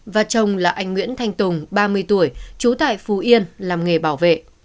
và chồng là anh nguyễn thanh tùng ba mươi tuổi chú tại phù yên làm nghề bảo vệ